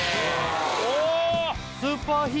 お！